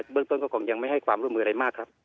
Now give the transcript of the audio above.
เรื่องต้นก็คงยังไม่ให้ความร่วมมืออะไรมากครับ